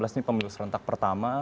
ini pemilu serentak pertama